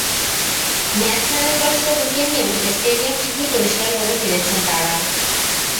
Match হারার কষ্ট বুকে নিয়েও স্টেডিয়াম ঠিকই পরিষ্কার করে ফিরেছেন তাঁরা।